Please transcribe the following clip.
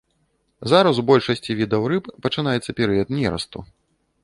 Зараз у большасці відаў рыб пачынаецца перыяд нерасту.